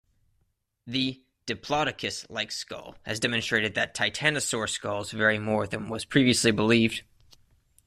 The "Diplodocus"-like skull has demonstrated that titanosaur skulls vary more than was previously believed.